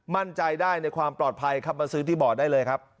มั่นใจได้ในความปลอดภัยครับมาซื้อที่บ่อได้เลยครับ